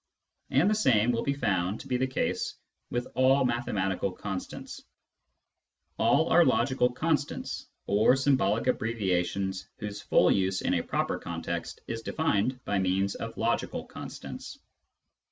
And the same will be found to be the case with all mathematical constants : all are logical constants, or symbolic abbreviations whose full use in a proper context is defined by means of logical constants.